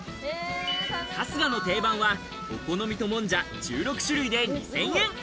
春日の定番は、お好みともんじゃ１６種類で２０００円。